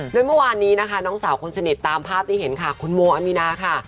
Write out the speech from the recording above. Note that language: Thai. โดยเมื่อวานนี้นะคะน้องสาวคนสนิทตามภาพที่เห็นค่ะคุณโมอามีนาค่ะ